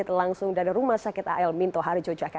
terima kasih pak